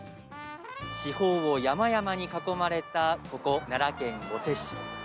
四方を山々に囲まれたここ奈良県御所市。